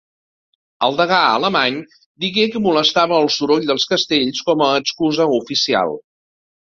El degà Alemany digué que molestava el soroll dels castells com a excusa oficial